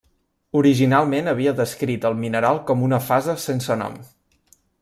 Originalment havia descrit el mineral com una fase sense nom.